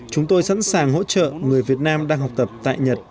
chúng tôi sẵn sàng hỗ trợ người việt nam đang học tập tại nhật